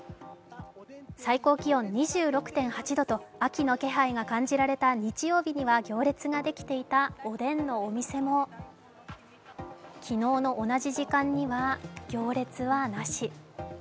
最高気温２６．８度と秋の気配が感じられた日曜日には行列ができていた、おでんのお店も昨日の同じ時間には行列はなし。